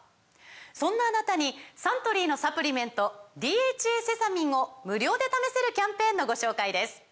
そんなあなたにサントリーのサプリメント「ＤＨＡセサミン」を無料で試せるキャンペーンのご紹介です